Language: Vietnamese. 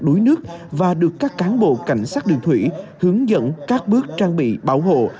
đuối nước và được các cán bộ cảnh sát đường thủy hướng dẫn các bước trang bị bảo hộ